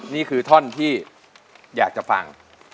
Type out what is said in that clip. นี่คือท่อนที่อยากจะฟัง